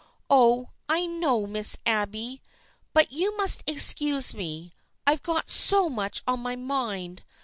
" Oh, I know, Miss Abby, but you must excuse me. I've got so much on my mind.